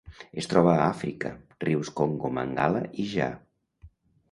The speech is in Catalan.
Es troba a Àfrica: rius Congo, Mangala i Ja.